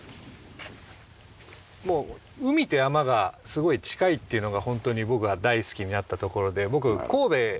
もう海と山がすごい近いっていうのがホントに僕が大好きになったところで僕神戸の出身なので。